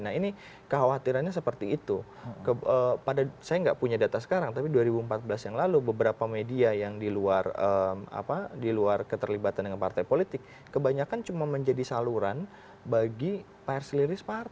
nah ini kekhawatirannya seperti itu pada saya nggak punya data sekarang tapi dua ribu empat belas yang lalu beberapa media yang di luar keterlibatan dengan partai politik kebanyakan cuma menjadi saluran bagi pers liris partai